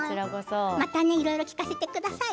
またいろいろ聞かせてください。